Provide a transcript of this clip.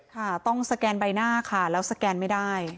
ค่ะต้องสแกนใบหน้าค่ะแล้วสแกนไม่ได้